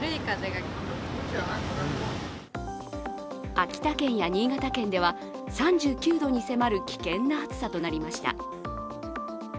秋田県や新潟県では３９度に迫る危険な暑さとなりました。